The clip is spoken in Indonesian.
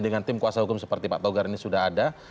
dengan tim kuasa hukum seperti pak togar ini sudah ada